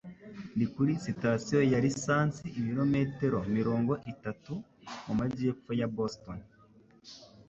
Ndi kuri sitasiyo ya lisansi ibirometero mirongo itatu mumajyepfo ya Boston.